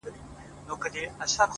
راهب په کليسا کي مردار ښه دی مندر نسته